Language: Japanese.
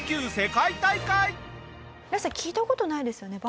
皆さん聞いた事ないですよね？